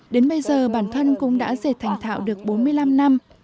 đến bây giờ bản thân cũng đã dệt thành thạo được bốn mươi năm năm